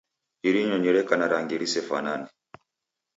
Iri nyonyi reka na rangi risefanane.